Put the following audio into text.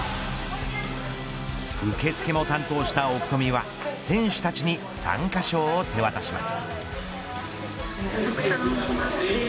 受け付けも担当した奥富は選手たちに参加賞を手渡します。